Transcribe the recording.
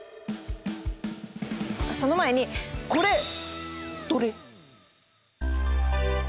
その前にこれ！